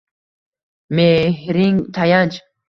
Mehring tayanch